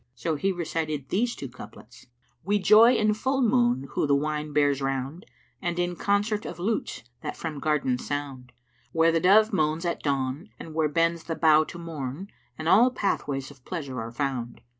So he recited these two couplets, "We joy in full Moon who the wine bears round, * And in concert of lutes that from gardens sound; Where the dove moans at dawn and where bends the bough * To Morn, and all pathways of pleasure are found."